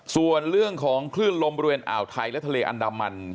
ส่วนเรื่องของคลื่นลมบริเวณอ่าวไทยและทะเลอันดามัน